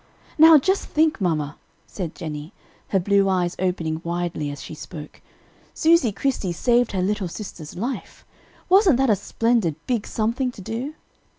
"Now just think, mamma," said Jennie, her blue eyes opening widely as she spoke, "Susy Chrystie saved her little sister's life; wasn't that a splendid, big something to do?"